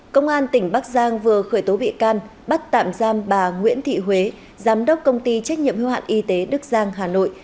công an tỉnh bắc giang vừa khởi tố bị can bắt tạm giam bà nguyễn thị huế giám đốc công ty trách nhiệm hưu hạn y tế đức giang hà nội